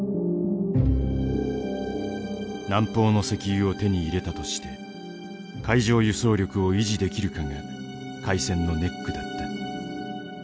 南方の石油を手に入れたとして海上輸送力を維持できるかが開戦のネックだった。